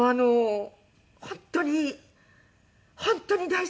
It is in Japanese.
本当に本当に大好きで。